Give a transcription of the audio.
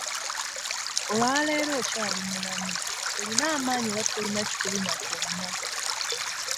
Olwaleero okyali mulamu, olina amaanyi era tolina kikuluma kyonna.